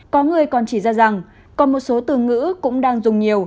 có người còn chỉ ra rằng còn một số từ ngữ cũng đang dùng nhiều